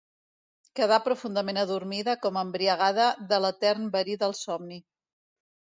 Quedà profundament adormida com embriagada de l’etern verí del somni.